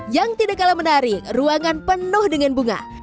yang tidak kalah menarik ruangan penuh dengan bunga